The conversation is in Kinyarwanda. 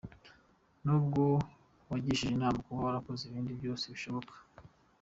Nubwo wagishije inama ukaba wakoze n’ibindi byose bishoboka.